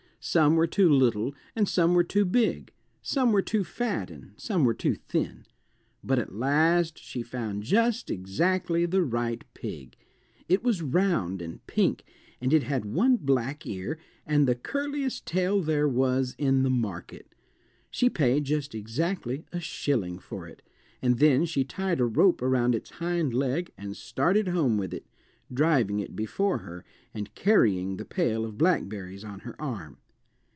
Some were too little and some were too big; some were too fat and some were too thin. But at last she found just exactly the right pig; it was round and pink and it had one black ear, and the curliest tail there was in the market. She paid just exactly a shilling for it, and then she tied a rope around its hind leg and started home with it, driving it before her, and carrying the pail of blackberries on her arm.